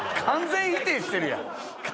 完全否定してるやん。